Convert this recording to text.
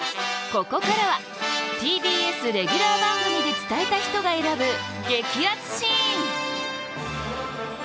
ここからはＴＢＳレギュラー番組で伝えた人が選ぶ激アツシーン。